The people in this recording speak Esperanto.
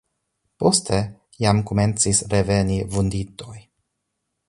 Poste jam komencis reveni vunditoj.